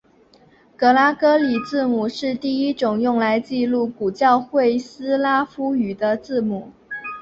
格拉哥里字母是第一种用来记录古教会斯拉夫语的字母。